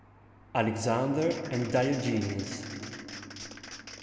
ALEXANDER AND DIOGENES.